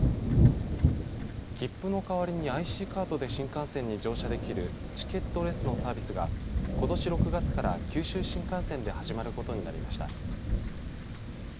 切符の代わりにＩＣカードで新幹線に乗車できるチケットレスのサービスがことし６月から九州新幹線で始まることになりました。